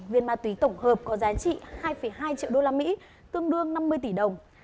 năm trăm linh viên ma túy tổng hợp có giá trị hai hai triệu usd tương đương năm mươi tỷ đồng